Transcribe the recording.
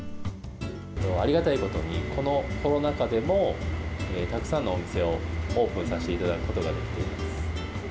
ありがたいことに、このコロナ禍でも、たくさんのお店をオープンさせていただくことができています。